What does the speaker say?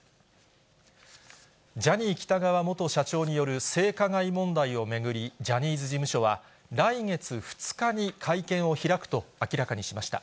ジャニー喜多川元社長による性加害問題を巡り、ジャニーズ事務所は、来月２日に会見を開くと明らかにしました。